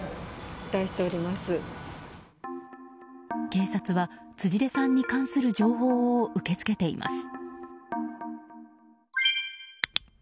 警察は辻出さんに関する情報を受け付けています。